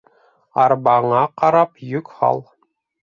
Арбаңа ҡарап йөк һал